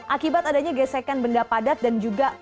akibat adanya gesekan benda padat dan juga